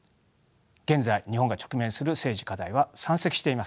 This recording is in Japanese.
現在日本が直面する政治課題は山積しています。